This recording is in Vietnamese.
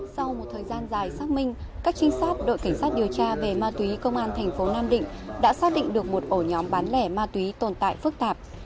sau một thời gian dài xác minh các trinh sát đội cảnh sát điều tra về ma túy công an thành phố nam định đã xác định được một ổ nhóm bán lẻ ma túy tồn tại phức tạp